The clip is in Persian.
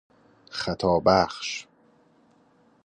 خطا بخش